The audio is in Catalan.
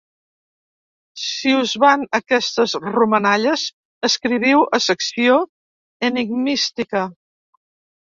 Si us van aquestes romanalles, escriviu a Secció Enigmística.